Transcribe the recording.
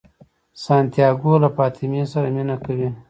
سانتیاګو له فاطمې سره مینه کوي.